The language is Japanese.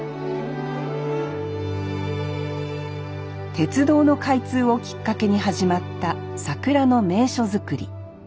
鉄道の開通をきっかけに始まった桜の名所作り。